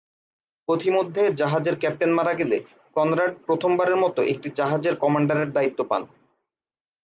পথিমধ্যে জাহাজের ক্যাপ্টেন মারা গেলে কনরাড প্রথম বারের মত একটি জাহাজের কমান্ডারের দায়িত্ব পান।